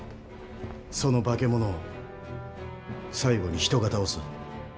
その化け物を最後に人が倒す。